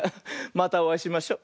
またおあいしましょ。